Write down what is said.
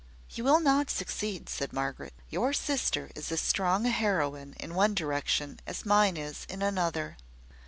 "You will not succeed," said Margaret. "Your sister is as strong a heroine in one direction as mine is in another."